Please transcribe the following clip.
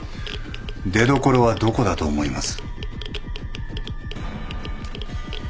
出どころはどこだと思います？